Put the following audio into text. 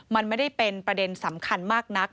มันไม่ได้เป็นประเด็นสำคัญมากนัก